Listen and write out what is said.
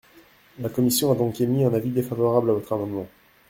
La commission a donc émis un avis défavorable à votre amendement.